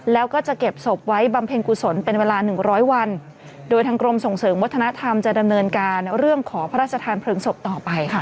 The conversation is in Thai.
แล้วก็จะเก็บศพไว้บำเพ็ญกุศลเป็นเวลาหนึ่งร้อยวันโดยทางกรมส่งเสริมวัฒนธรรมจะดำเนินการเรื่องขอพระราชทานเพลิงศพต่อไปค่ะ